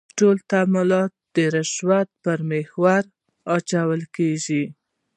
ټول تعاملات د رشوت پر محور راچولېږي.